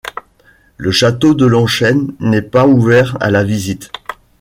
Le château de Longchêne n'est pas ouvert à la visite.